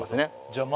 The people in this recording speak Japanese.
じゃあ